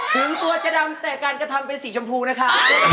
ถึงตัวจะดำแต่การกระทำเป็นสีชมพูนะคะ